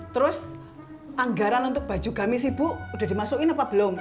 terus anggaran untuk baju gamis ibu udah dimasukin apa belum